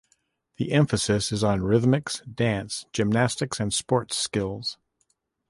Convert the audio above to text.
The emphasis is on rhythmics, dance, gymnastics, and sports skills.